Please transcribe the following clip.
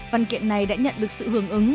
văn kiện này đã nhận được sự hưởng ứng